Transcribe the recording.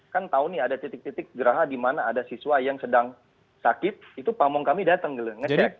kan tahu nih ada titik titik geraha di mana ada siswa yang sedang sakit itu pamong kami datang gitu ngecek